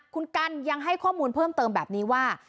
คุณกันยังให้ข้อมูลเพิ่มเติมแบบนี้ว่า